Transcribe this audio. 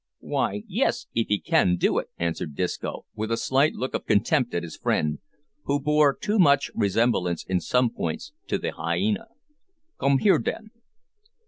"Why, yes, if 'ee can do it," answered Disco, with a slight look of contempt at his friend, who bore too much resemblance in some points to the hyena. "Come here, den."